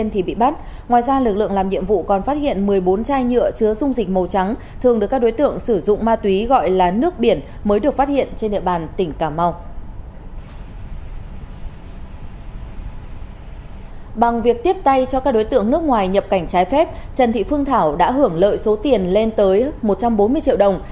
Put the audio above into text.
trong việc tiếp tay cho các đối tượng nước ngoài nhập cảnh trái phép trần thị phương thảo đã hưởng lợi số tiền lên tới một trăm bốn mươi triệu đồng